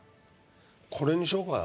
これにしようかな。